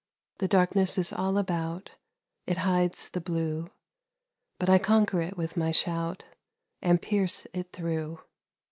The Darkness is all about, It hides the blue ; But I conquer it with my shout, And pierce it through.